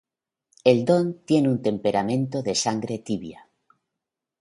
El Don tiene un temperamento de Sangre Tibia.